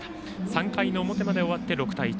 ３回の表まで終わって、６対１。